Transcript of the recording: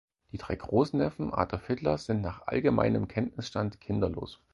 Die drei Großneffen Adolf Hitlers sind, nach allgemeinem Kenntnisstand, kinderlos.